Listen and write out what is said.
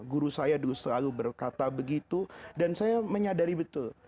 guru saya dulu selalu berkata begitu dan saya menyadari betul